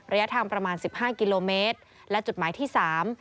ระยะทางประมาณสิบห้ากิโลเมตรและจุดหมายที่สาม